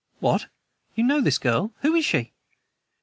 "What! You know this girl! Who is she?"